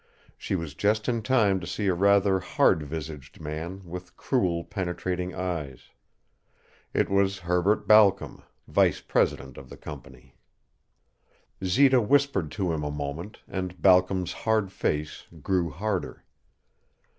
She was just in time to see a rather hard visaged man, with cruel, penetrating eyes. It was Herbert Balcom, vice president of the company. Zita whispered to him a moment and Balcom's hard face grew harder.